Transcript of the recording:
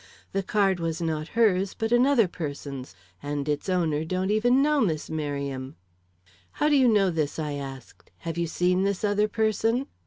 The card was not hers but another person's, and its owner don't even know Miss Merriam." "How do you know this?" I asked. "Have you seen this other person?"